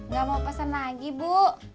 gak mau pesen lagi bu